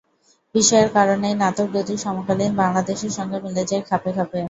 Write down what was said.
বিষয়ের কারণেই নাটক দুটি সমকালীন বাংলাদেশের সঙ্গে মিলে যায় খাপে খাপে।